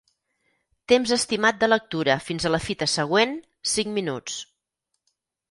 Temps estimat de lectura fins a la fita següent: cinc minuts.